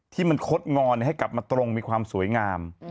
ที่มันคดงอนให้กลับมาตรงมีความสวยงาม